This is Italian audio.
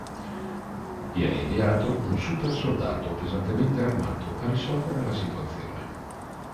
Viene inviato un supersoldato pesantemente armato a risolvere la situazione.